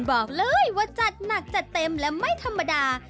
บอกเลยว่าจัดหนักจัดเต็มและไม่ธรรมดา